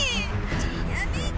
やめて！